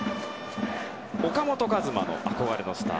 岡本和真の憧れのスター。